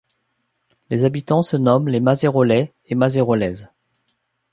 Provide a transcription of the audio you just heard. Les habitants se nomment les Mazerollais et Mazerollaises.